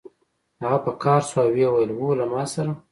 هغه په قهر شو او ویې ویل هو له ما سره